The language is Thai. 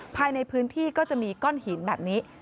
ภายในพื้นที่ก็จะมีก้อนหินแบบนี้